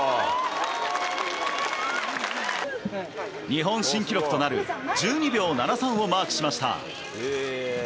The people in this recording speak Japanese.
日本新記録となる１２秒７３をマークしました。